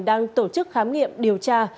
đang tổ chức khám nghiệm điều tra